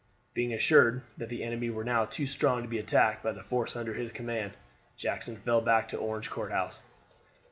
Being assured that the enemy were now too strong to be attacked by the force under his command, Jackson fell back to Orange Courthouse.